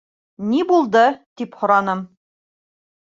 Ни булды, тип һораным.